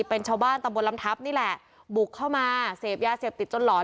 เป็นชาวบ้านตำบลลำทับนี่แหละบุกเข้ามาเสพยาเสพติดจนหลอน